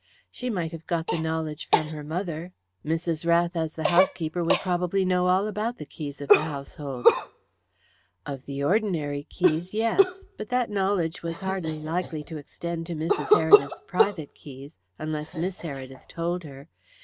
"She might have got the knowledge from her mother. Mrs. Rath, as the housekeeper, would probably know all about the keys of the household." "Of the ordinary keys yes. But that knowledge was hardly likely to extend to Mrs. Heredith's private keys, unless Miss Heredith told her.